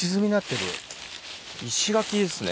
石垣ですね。